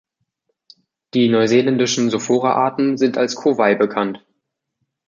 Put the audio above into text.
Die neuseeländischen „Sophora“-Arten sind als „Kowhai“ bekannt.